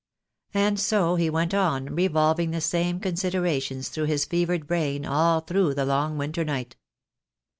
And so he went on revolving the same considerations through his fevered brain all through the long winter night.